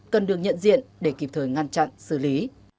cần được nhận diện để kịp thời ngăn chặn xử lý